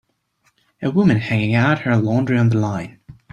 A woman hanging out her laundry on the line.